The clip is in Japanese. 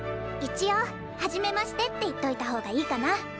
一応はじめましてって言っといた方がいいかな。